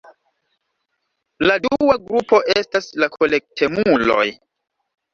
La dua grupo estas la kolektemuloj.